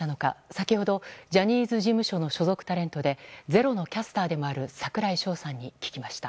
先ほど、ジャニーズ事務所の所属タレントで「ｚｅｒｏ」のキャスターでもある櫻井翔さんに聞きました。